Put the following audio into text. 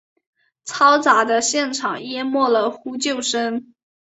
嘈杂的现场淹没了呼救声。